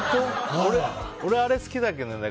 俺、あれ好きだけどね